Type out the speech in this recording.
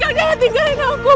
kakak tinggalin aku